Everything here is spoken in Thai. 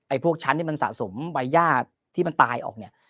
พวกชั้นที่มันสะสมใบย่าที่มันตายออกเนี่ย